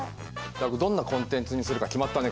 どんなコンテンツにするか決まったね